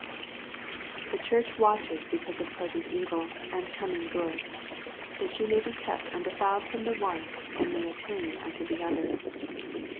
* The church watches because of present evil, and coming good ; that she may be kept undefiled from the one, and may attain imto the other.